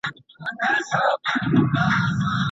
د ماسټرۍ برنامه بې ارزوني نه تایید کیږي.